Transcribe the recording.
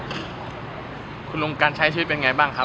คุณลุงการใช้ชีวิตเป็นไงบ้างครับ